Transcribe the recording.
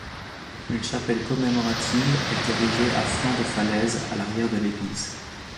Une chapelle commémorative est érigée à flanc de falaise à l’arrière de l’Église.